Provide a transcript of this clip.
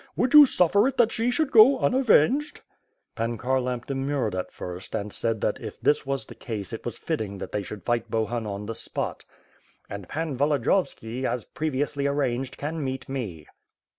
Would you suffer it that she should go unavenged?" Pan Kharlamp demurred at first and said that if this was the case it was fitting that they should fight Bohun on the spot. "And Pan Volodiyovski, as previously arranged, can meet me."